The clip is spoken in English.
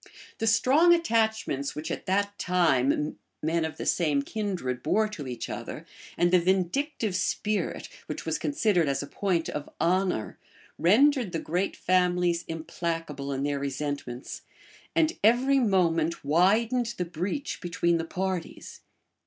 The strong attachments, which, at that time, men of the same kindred bore to each other, and the vindictive spirit, which was considered as a point of honor, rendered the great families implacable in their resentments, and every moment widened the breach between the parties.